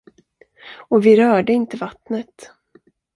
Och vi rörde inte vattnet.